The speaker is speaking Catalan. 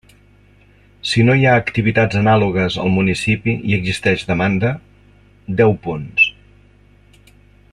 Si no hi ha activitats anàlogues al municipi i existeix demanda: deu punts.